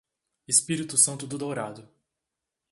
Espírito Santo do Dourado